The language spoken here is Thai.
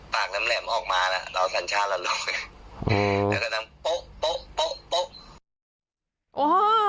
ปากแหลมแหลมออกมาแล้วเราทันชาติแล้วลงไปอืมแล้วก็ทำโป๊ะโป๊ะโป๊ะ